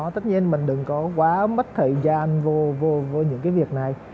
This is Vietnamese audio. tất nhiên mình đừng có quá mất thời gian vô những cái việc này